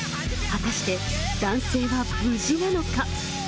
果たして男性は無事なのか。